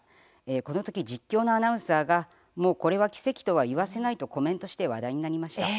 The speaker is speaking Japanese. この時、実況のアナウンサーがもうこれは奇跡とは言わせないとコメントして話題になりました。